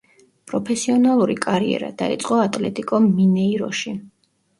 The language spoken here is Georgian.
პროფესიონალური კარიერა დაიწყო „ატლეტიკო მინეიროში“.